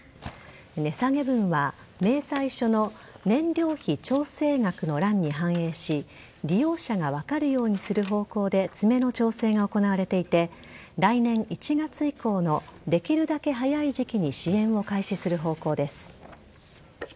値下げ分は明細書の燃料費調整額の欄に反映し利用者が分かるようにする方向で詰めの調整が行われていて来年１月以降のできるだけ早い時期に支援を開始する方向です。